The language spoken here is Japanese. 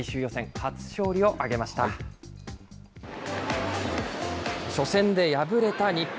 初戦で敗れた日本。